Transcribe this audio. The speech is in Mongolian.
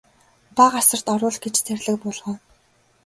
Бага асарт оруул гэж зарлиг буулгав.